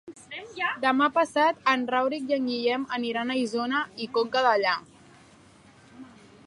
Demà passat en Rauric i en Guillem aniran a Isona i Conca Dellà.